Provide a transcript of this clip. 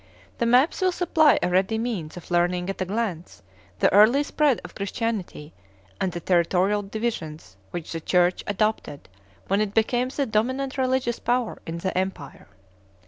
The maps will supply a ready means of learning at a glance the early spread of Chris tianity, and the territorial divisions which the Church adopted when it became the dominant religious power in the Empire.